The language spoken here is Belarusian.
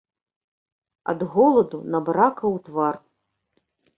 Ад голаду набракаў твар.